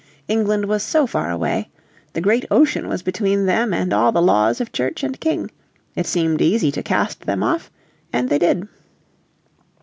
England was so far away; the great ocean was between them and all the laws of Church and King. It seemed easy to cast them off, and they did.